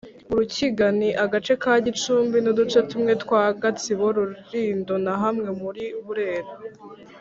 Urukiga Ni agace ka Gicumbi n’uduce tumwe twa Gatsibo, Rulindo na hamwe muri Burera